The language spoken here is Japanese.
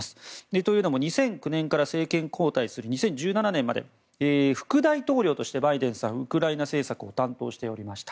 というのも、２００９年から政権交代する２０１７年まで副大統領として、バイデンさんウクライナ政策を担当しておりました。